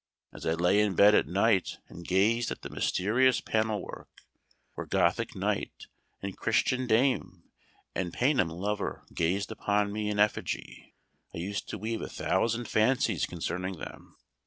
As I lay in bed at night and gazed at the mysterious panel work, where Gothic knight, and Christian dame, and Paynim lover gazed upon me in effigy, I used to weave a thousand fancies concerning them.